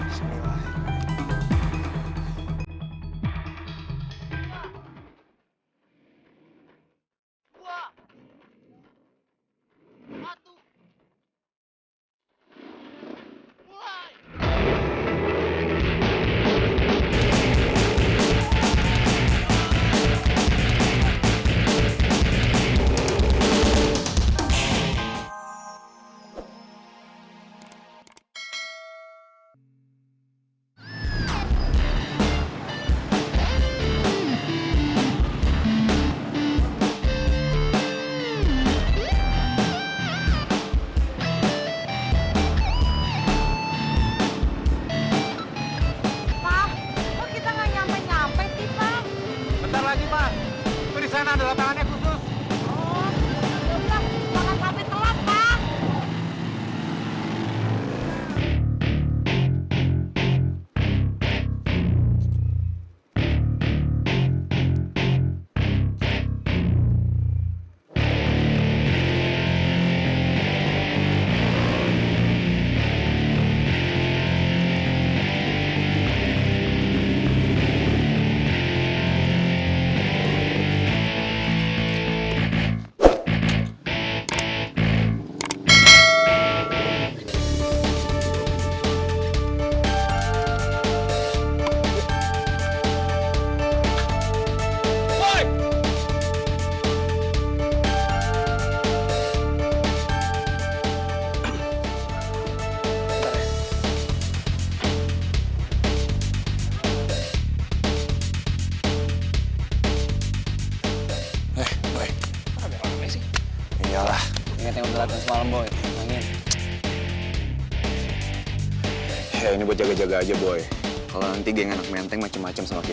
jangan lupa subscribe channel ini untuk dapat info terbaru dari kami